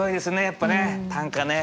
やっぱね短歌ね。